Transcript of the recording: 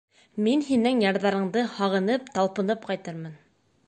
Мин һинең ярҙарыңды һағынып-талпынып ҡайтырмын.